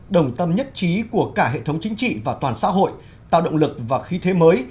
đồng tâm nhất trí của cả hệ thống chính trị và toàn xã hội tạo động lực và khí thế mới